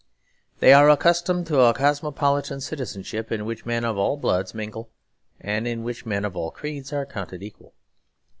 They are accustomed to a cosmopolitan citizenship, in which men of all bloods mingle and in which men of all creeds are counted equal.